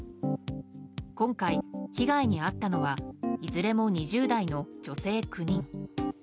今回、被害に遭ったのはいずれも２０代の女性９人。